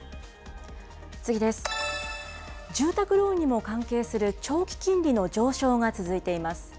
住宅ローンにも関係する長期金利の上昇が続いています。